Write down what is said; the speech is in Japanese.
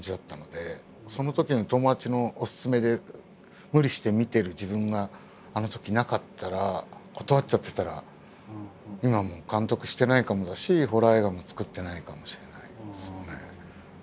そのときの友達のおすすめで無理して見てる自分があのときなかったら断っちゃってたら今もう監督してないかもだしホラー映画も作ってないかもしれないですよね。